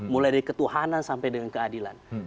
mulai dari ketuhanan sampai dengan keadilan